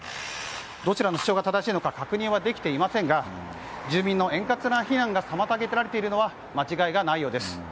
どちらの主張が正しいのか確認はできていませんが住民の円滑な避難が妨げられているのは間違いがないようです。